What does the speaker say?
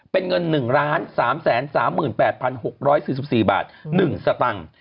เป็นเงิน๑๓๓๘๖๔๔บาท๑สตังค์